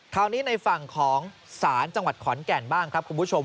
คราวนี้ในฝั่งของศาลจังหวัดขอนแก่นบ้างครับคุณผู้ชม